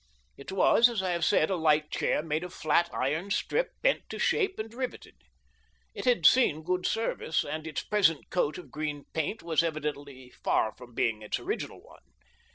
It was, as I have said, a light chair made of flat iron strip, bent to shape and riveted. It had seen good service, and its present coat of green paint was evidently far from being its original one.